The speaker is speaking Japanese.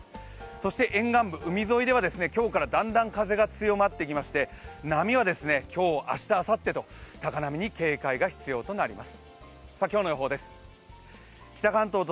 そして沿岸部、海沿いでは今日からだんだん風が強まってきまして波は今日、明日、あさってと高波に警戒が必要となります。